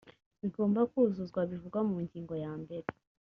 bigomba kuzuzwa bivugwa mu ngingo yambere